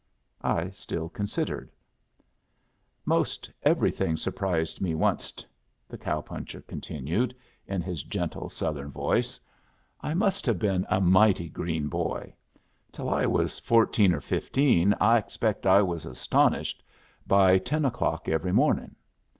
I still considered. "Most everything surprised me onced," the cow puncher continued, in his gentle Southern voice. "I must have been a mighty green boy. Till I was fourteen or fifteen I expect I was astonished by ten o'clock every morning.